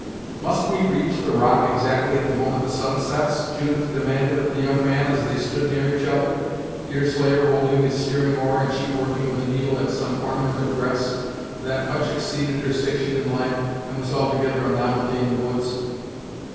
"Must we reach the rock exactly at the moment the sun sets?" Judith demanded of the young man, as they stood near each other, Deerslayer holding the steering oar, and she working with a needle at some ornament of dress, that much exceeded her station in life, and was altogether a novelty in the woods.